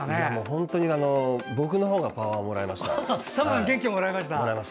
本当に僕の方がパワーをもらいました。